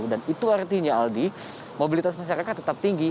dan itu artinya aldi mobilitas masyarakat tetap tinggi